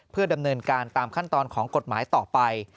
เพื่อดำเนินการตามขั้นตอนของกฎหมายต่อไป